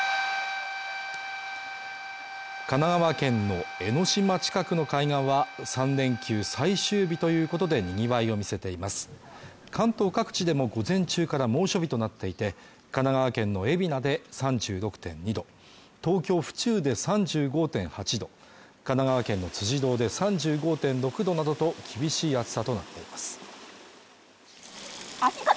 神奈川県の江の島近くの海岸は３連休最終日ということで賑わいを見せています関東各地でも午前中から猛暑日となっていて、神奈川県の海老名で３６．２度、東京府中で３５．８度神奈川県の辻堂で３５．６度などと厳しい暑さとなっています。